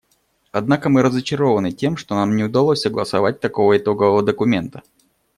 Однако мы разочарованы тем, что нам не удалось согласовать такого итогового документа.